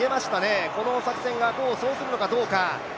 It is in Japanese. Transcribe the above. この作戦が功を奏するのかどうか。